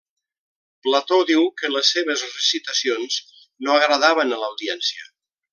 Plató diu que les seves recitacions no agradaven a l'audiència.